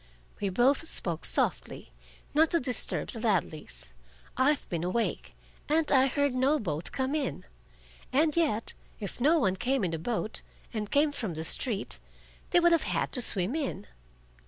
We both spoke softly, not to disturb the Ladleys. "I've been awake, and I heard no boat come in. And yet, if no one came in a boat, and came from the street, they would have had to swim in."